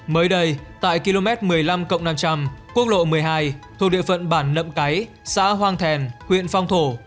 mới đây tại km một mươi năm năm trăm linh quốc lộ một mươi hai thuộc địa phận bản nậm cấy xã hoàng thèn huyện phong thổ